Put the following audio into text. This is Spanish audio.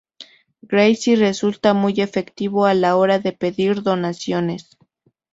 Grassi resulta muy efectivo a la hora de pedir donaciones.